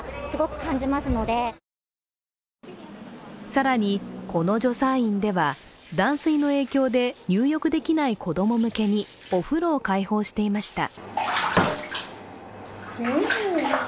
更に、この助産院では断水の影響で入浴できない子ども向けにお風呂を開放していました。